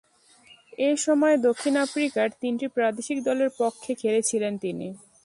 এ সময়ে দক্ষিণ আফ্রিকার তিনটি প্রাদেশিক দলের পক্ষে খেলেছিলেন তিনি।